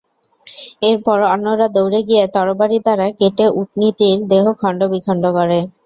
এরপর অন্যরা দৌড়ে গিয়ে তরবারি দ্বারা কেটে উটনীটির দেহ খণ্ড-বিখণ্ড করে।